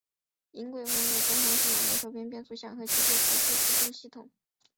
银鬼魂也共用了手动变速箱和机械伺服辅助制动系统。